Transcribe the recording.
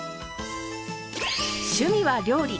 趣味は料理。